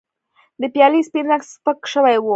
د پیالې سپین رنګ سپک شوی و.